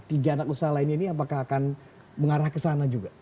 tiga anak usaha lainnya ini apakah akan mengarah ke sana juga